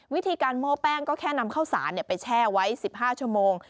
วิธีการโม้แป้งก็แค่นำข้าวสารไปแช่ไว้๑๕ชั่วโมง